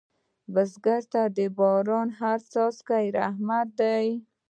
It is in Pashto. بزګر ته د باران هره څاڅکې یو رحمت دی